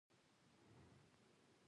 زه هڅه کوم، چي نورو ته خوښي ورکم.